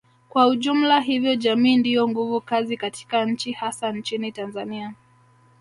kwa ujumla hivyo jamii ndiyo nguvu kazi katika nchi hasa nchini Tanzania